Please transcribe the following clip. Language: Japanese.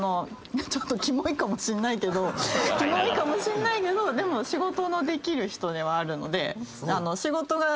ちょっとキモいかもしんないけどキモいかもしんないけどでも仕事のできる人ではあるので仕事が。